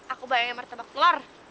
aku bayangin martabak telur